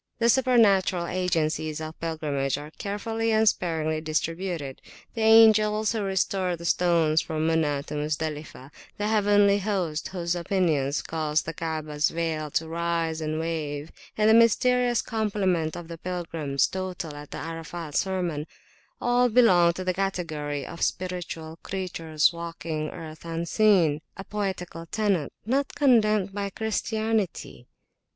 The supernatural agencies of pilgrimage are carefully and sparingly distributed. The angels who restore the stones from Muna to Muzdalifah; the heavenly host whose pinions cause the Kaabahs veil to rise and to wave, and the mysterious complement of the pilgrims total at the Arafat sermon, all belong to the category of spiritual creatures walking earth unseen,a poetical tenet, not condemned by Christianity.